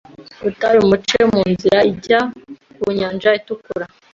butayu muce mu nzira ijya ku Nyanja Itukura